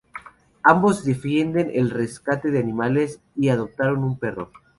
Ambos defienden el rescate de animales y adoptaron un perro.